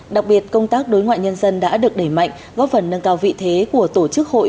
đặc biệt công tác đối ngoại nhân dân đã được đẩy mạnh góp phần nâng cao vị thế của tổ chức hội